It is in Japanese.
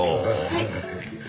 はい。